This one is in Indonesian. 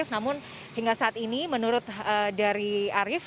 namun hingga saat ini menurut dari arief